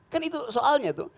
kan itu soalnya tuh